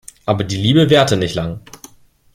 Aber die Liebe währte nicht lang.